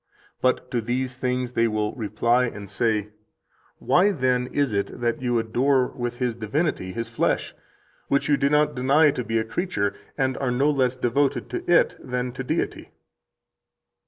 But to these things they will reply and say: Why, then, is it that you adore with His divinity His flesh, which you do not deny to be a creature, and are no less devoted to it than to Deity?"